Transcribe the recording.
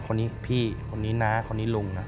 คนนี้พี่คนนี้นะคนนี้ลุงนะ